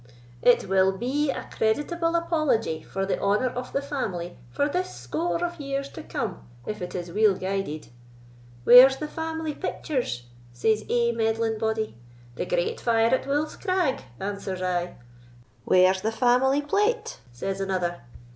It will be a creditable apology for the honour of the family for this score of years to come, if it is weel guided. 'Where's the family pictures?' says ae meddling body. 'The great fire at Wolf's Crag,' answers I. 'Where's the family plate?' says another.